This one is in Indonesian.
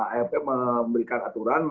afp memberikan aturan